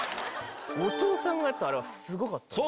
後藤さんがやってたあれはすごかった。